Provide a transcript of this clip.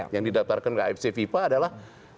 yang didatarkan ke afc vipa adalah